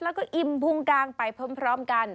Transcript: แล้วก็อิ่มพุงกางไปพร้อมกัน